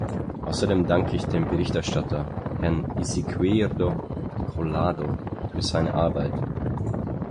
Außerdem danke ich dem Berichterstatter, Herrn Izquierdo Collado, für seine Arbeit.